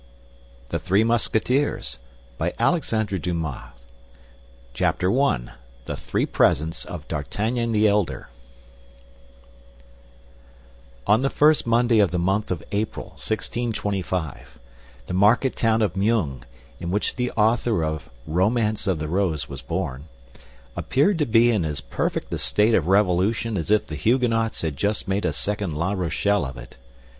The Three Musketeers Chapter I. THE THREE PRESENTS OF D'ARTAGNAN THE ELDER On the first Monday of the month of April, 1625, the market town of Meung, in which the author of Romance of the Rose was born, appeared to be in as perfect a state of revolution as if the Huguenots had just made a second La Rochelle of it.